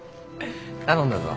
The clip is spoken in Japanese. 頼んだぞ。